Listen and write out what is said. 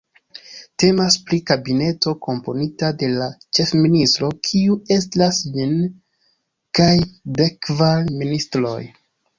Temas pri kabineto komponita de la Ĉefministro, kiu estras ĝin, kaj dekkvar ministroj.